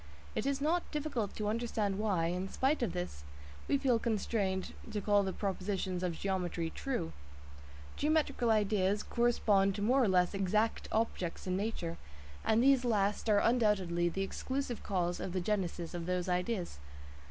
It is not difficult to understand why, in spite of this, we feel constrained to call the propositions of geometry "true." Geometrical ideas correspond to more or less exact objects in nature, and these last are undoubtedly the exclusive cause of the genesis of those ideas.